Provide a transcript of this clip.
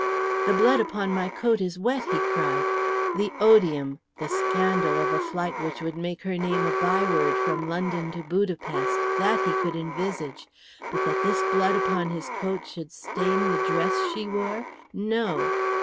"The blood upon my coat is wet," he cried. The odium, the scandal of a flight which would make her name a byword from London to Budapest, that he could envisage; but that this blood upon his coat should stain the dress she wore no!